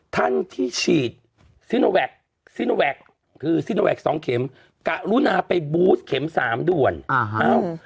ท่านที่ฉีดซินโนแวกก็ลุณาไปบูสเก็ม๓เดือน